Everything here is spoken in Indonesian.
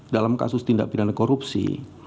dalam kasus tindak pidana korupsi